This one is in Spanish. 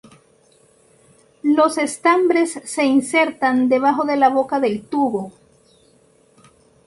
Los estambres se insertan debajo de la boca del tubo.